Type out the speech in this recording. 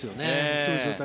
そういう状態